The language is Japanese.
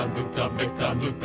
「めかぬか」